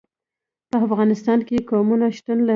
په افغانستان کې قومونه شتون لري.